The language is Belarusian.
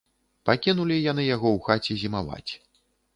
Пакінулі яны яго ў хаце зімаваць.